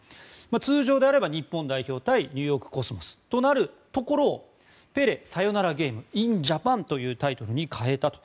通常であれば日本代表対ニューヨーク・コスモスとなるところをペレ・サヨナラ・ゲーム・イン・ジャパンというタイトルに変えたと。